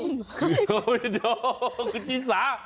ครับคุณจี๊สา